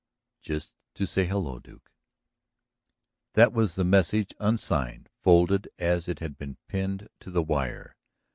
Just to say hello, Duke. That was the message, unsigned, folded as it had been pinned to the wire.